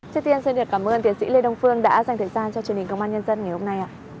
trước tiên xin được cảm ơn tiến sĩ lê đông phương đã dành thời gian cho truyền hình công an nhân dân ngày hôm nay